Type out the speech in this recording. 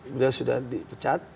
beliau sudah di pecat